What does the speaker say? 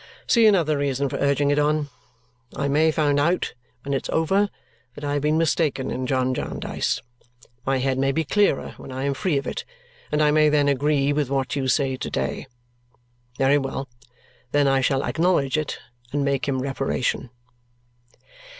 See another reason for urging it on! I may find out when it's over that I have been mistaken in John Jarndyce. My head may be clearer when I am free of it, and I may then agree with what you say to day. Very well. Then I shall acknowledge it and make him reparation."